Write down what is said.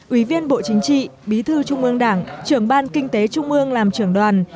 ủy viên bộ chính trị bí thư trung ương đảng trưởng ban kinh tế trung ương làm trưởng đoàn